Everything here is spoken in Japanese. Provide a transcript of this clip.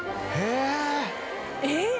えっ⁉